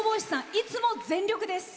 いつも全力です。